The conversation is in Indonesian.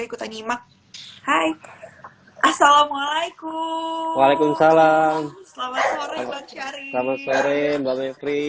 ikutan nyimak hai assalamualaikum waalaikumsalam selamat sore bang syari selamat sore mbak mevri